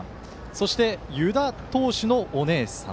そして、湯田投手のお姉さん。